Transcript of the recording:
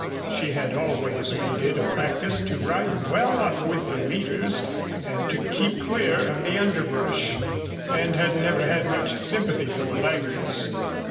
She had always made it a practice to ride well up with the leaders, and to keep clear of the underbrush, and had never had much sympathy for the laggards.